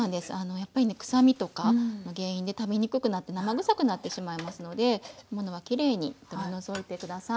やっぱりねくさみとかの原因で食べにくくなって生臭くなってしまいますのできれいに取り除いて下さい。